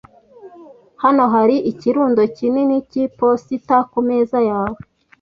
Hano hari ikirundo kinini cy'iposita kumeza yawe .